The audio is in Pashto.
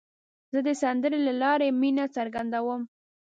زه د سندرې له لارې مینه څرګندوم.